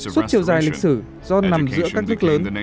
suốt chiều dài lịch sử do nằm giữa các vích lớn